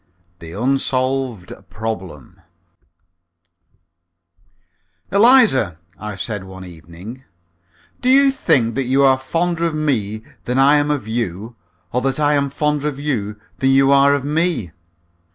THE UNSOLVED PROBLEM "Eliza," I said one evening, "do you think that you are fonder of me than I am of you, or that I am fonder of you than you are of me?"